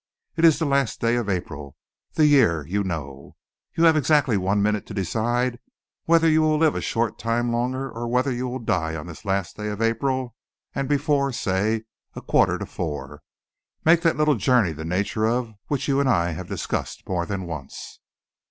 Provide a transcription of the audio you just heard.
It is the last day of April. The year you know. You have exactly one minute to decide whether you will live a short time longer, or whether you will on this last day of April, and before say, a quarter to four, make that little journey the nature of which you and I have discussed more than once."